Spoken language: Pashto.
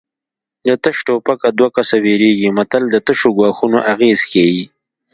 د تش ټوپکه دوه کسه ویرېږي متل د تشو ګواښونو اغېز ښيي